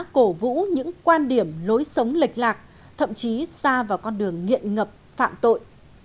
cổ vũ những quan điểm lối sống lệch lạc thậm chí xa vào con đường nghiện ngập phạm tội